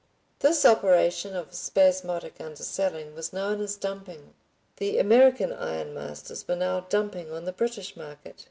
This operation of spasmodic underselling was known as "dumping." The American ironmasters were now dumping on the British market.